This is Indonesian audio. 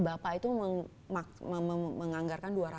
bapak itu menganggarkan